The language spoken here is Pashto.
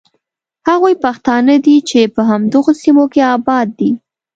هغوی پښتانه دي چې په همدغو سیمو کې آباد دي.